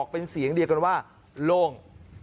เป็นเสียงเดียวกันว่าโล่ง